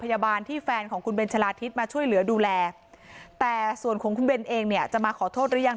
พยาบาลที่แฟนของคุณเบนชะลาทิศมาช่วยเหลือดูแลแต่ส่วนของคุณเบนเองเนี่ยจะมาขอโทษหรือยัง